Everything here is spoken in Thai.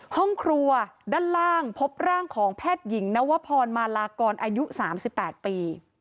ห้องครัวด้านล่างพบร่างของแพทย์หญิงนวพรมาลากรอายุ๓๘ปี